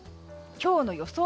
今日の予想